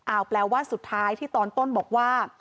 เอาแปลว่าสุดท้ายที่ตอนต้นบอกว่า